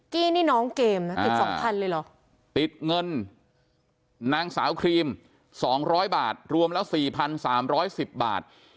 กี้นี่น้องเกมนะติด๒๐๐เลยเหรอติดเงินนางสาวครีม๒๐๐บาทรวมแล้ว๔๓๑๐บาท